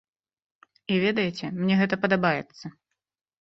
І ведаеце, мне гэта падабаецца.